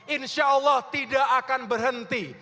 insya allah tidak akan berhenti